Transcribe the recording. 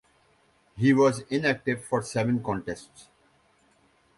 He was inactive for seven contests.